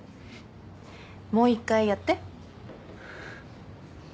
もう一回やって。